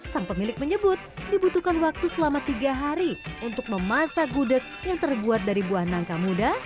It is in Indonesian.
sang pemilik menyebut dibutuhkan waktu selama tiga hari untuk memasak gudeg yang terbuat dari buah nangka muda